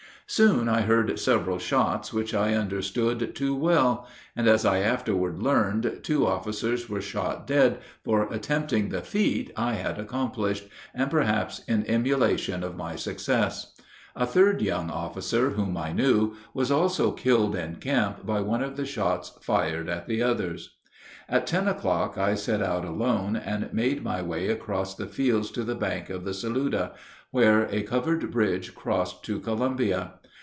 Soon I heard several shots which I understood too well; and, as I afterward learned, two officers were shot dead for attempting the feat I had accomplished, and perhaps in emulation of my success. A third young officer, whom I knew, was also killed in camp by one of the shots fired at the others. At ten o'clock I set out alone and made my way across the fields to the bank of the Saluda, where a covered bridge crossed to Columbia.